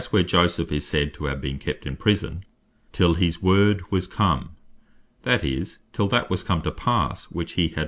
where Joseph is said to have been kept in prison, "till his Word was come;" that is, till that was come to passe which he had (Gen. 40.